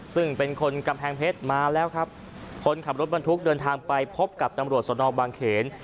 ซึ่งเป็นคนกำแพงเพชรมาแล้วครับคนขับรถบรรทุกเดินทางไปพบกับตำรวจสนบางเขน